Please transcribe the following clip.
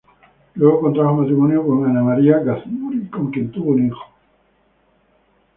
Luego contrajo matrimonio con Ana María Gazmuri, con quien tuvo un hijo.